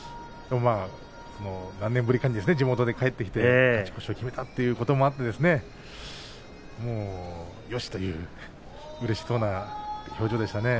何年ぶりかに地元に帰ってきて勝ち越しを決めたということもあってですねよしといううれしそうな表情でしたね。